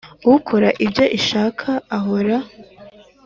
ukora ibyo ishaka ahoraho